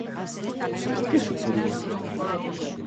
¿Que suporía?